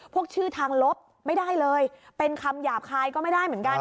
พวกชื่อทางลบไม่ได้เลยเป็นคำหยาบคายก็ไม่ได้เหมือนกัน